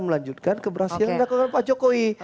melanjutkan keberhasilan yang dilakukan pak jokowi